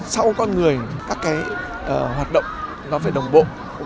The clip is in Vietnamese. sau con người các cái hoạt động nó phải đồng bộ